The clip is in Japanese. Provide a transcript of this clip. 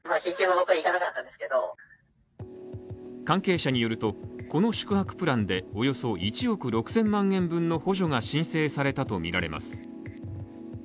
関係者によると、この宿泊プランでおよそ１億６０００万円分の補助が申請されたとみられます。